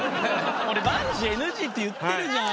俺バンジーＮＧって言ってるじゃん！